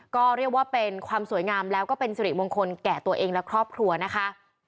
ก็เรียกว่าเป็นความสวยงามแล้วก็เป็นสิริมงคลแก่ตัวเองและครอบครัวนะคะ